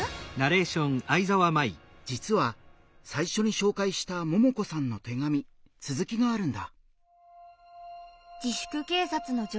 じつは最初に紹介したももこさんの手紙続きがあるんだ。